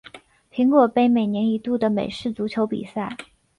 苹果杯每年一度的美式足球比赛。